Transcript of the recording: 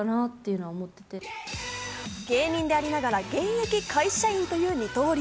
さらにサーヤ芸人でありながら現役会社員という二刀流。